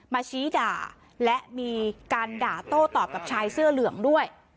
ชี้ด่าและมีการด่าโต้ตอบกับชายเสื้อเหลืองด้วย